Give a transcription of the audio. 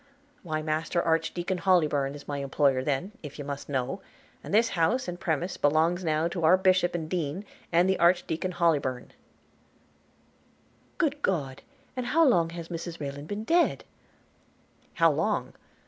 – Why master archdeacon Hollybourn is my employer, then, if you must know; and this house and premises belongs now to our bishop and dean; and the archdeacon Hollybourn –' 'Good God! and how long has Mrs Rayland been dead?' 'How long!